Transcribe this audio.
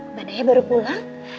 mbak naya baru pulang